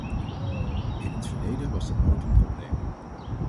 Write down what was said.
In het verleden was dat nooit een probleem.